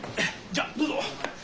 じゃどうぞ！